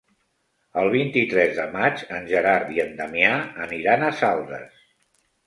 El vint-i-tres de maig en Gerard i en Damià aniran a Saldes.